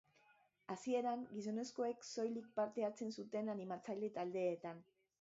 Hasieran gizonezkoek soilik parte hartzen zuten animatzaile taldeetan.